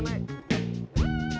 mereka sih bangat